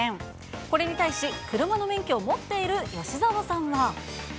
これに対し、車の免許を持っている吉沢さんは。